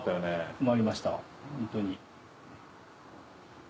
困りましたホントに。